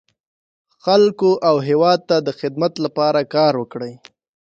خلکو او هېواد ته د خدمت لپاره کار وکړي.